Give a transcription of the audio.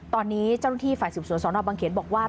ตอนนี้เจ้าหน้าที่ฝ่ายศิษย์ศูนย์สอนอบบางเขตบอกว่า